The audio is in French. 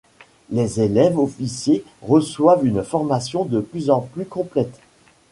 Les élèves officiers reçoivent une formation de plus en plus complète.